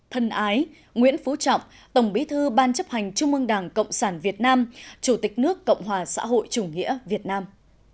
thân ái nguyễn phú trọng tổng bí thư ban chấp hành trung ương đảng cộng sản việt nam chủ tịch nước cộng hòa xã hội chủ nghĩa việt nam